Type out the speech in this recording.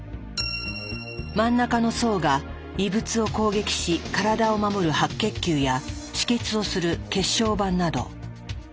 真ん中の層が異物を攻撃し体を守る白血球や止血をする血小板など。